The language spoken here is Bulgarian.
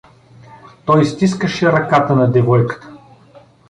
Той стискаше ръката на девойката.